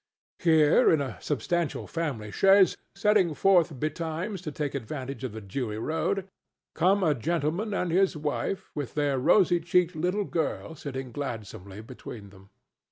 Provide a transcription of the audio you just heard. Here, in a substantial family chaise, setting forth betimes to take advantage of the dewy road, come a gentleman and his wife with their rosy cheeked little girl sitting gladsomely between them.